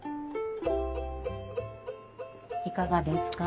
いかがですか？